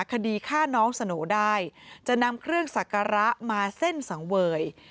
คดีฆ่าน้องสโหน่ได้จะนำเครื่องสักการะมาเส้นสังเวย